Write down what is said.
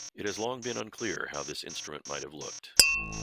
It has long been unclear how this instrument might have looked.